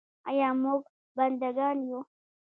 آیا موږ بنده ګان یو؟